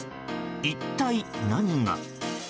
一体、何が。